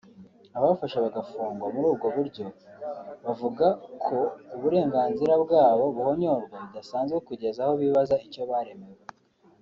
abafashwe bagafungwa muri ubwo buryo bavuga ko uburenganzira bwabo buhonyorwa bidasanzwe kugeza aho bibaza icyo baremewe